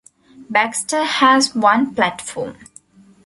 Baxter has one platform.